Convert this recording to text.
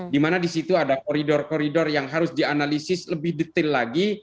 di mana di situ ada corridor corridor yang harus dianalisis lebih detail lagi